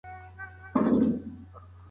الله و قرآن دي راوله پیرخانې